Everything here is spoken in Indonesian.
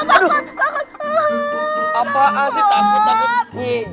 apaan sih takut takut